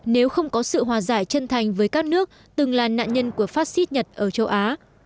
nếu không có sự hòa giải chân thành với các nước từng là nạn nhân của phát xít nhật ở châu á